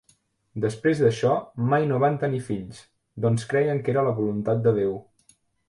Després d'això, mai no van tenir fills, doncs creien que era la voluntat de Déu.